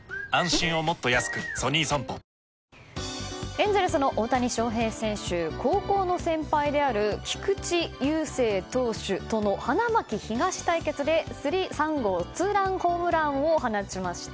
エンゼルスの大谷翔平選手高校の先輩である菊池雄星投手との花巻東対決で３号ツーランホームランを放ちました。